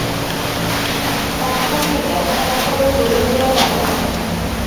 তাঁর সঙ্গে দেখা না করে চলে যেও না যেন।